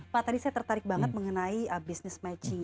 pak tadi saya tertarik banget mengenai business matching